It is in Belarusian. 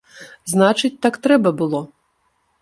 Значыць так трэба было!